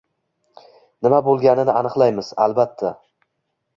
Nima bo`lganini aniqlaymiz, albatta